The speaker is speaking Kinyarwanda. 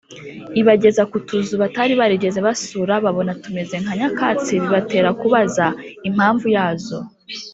ibageza ku tuzu batari barigeze basura babona tumeze nka nyakatsi bibatera kubaza impamvu ya zo